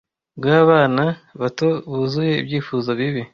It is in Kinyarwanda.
mwa bana bato buzuye ibyifuzo bibi